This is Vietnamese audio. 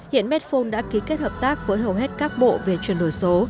hiện medphone đã ký kết hợp tác với hầu hết các bộ về chuyển đổi số